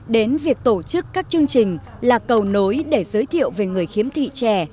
đến việc tổ chức các chương trình là cầu nối để giới thiệu về người khiếm thị trẻ